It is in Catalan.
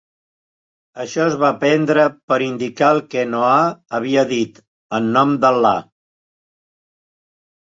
'"; això es va prendre per indicar el que Noah havia dit, "En nom d'Al·là!